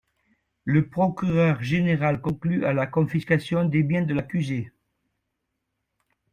Le procureur général conclut à la confiscation des biens de l'accusé.